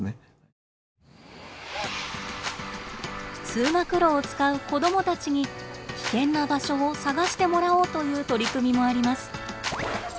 通学路を使う子どもたちに危険な場所を探してもらおうという取り組みもあります。